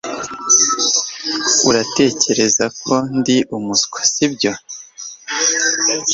Uratekereza ko ndi umuswa sibyo